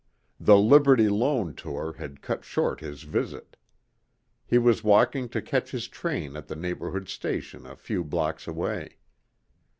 The Liberty Loan tour had cut short his visit. He was walking to catch his train at the neighborhood station a few blocks away.